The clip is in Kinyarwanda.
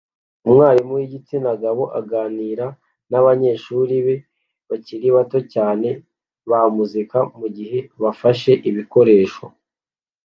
Umwarimu wigitsina gabo aganira nabanyeshuri be bakiri bato cyane ba muzika mugihe bafashe ibikoresho byabo bakareba umuziki wabo